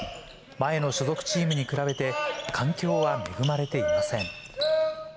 前の所属チームに比べて、環境は恵まれていません。